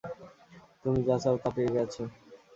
তুমি যা চাও তা পেয়ে গেছো?